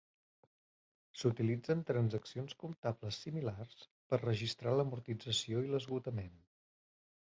S'utilitzen transaccions comptables similars per registrar l'amortització i l'esgotament.